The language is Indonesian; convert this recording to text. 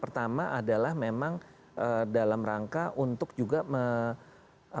pertama adalah memang dalam rangka untuk juga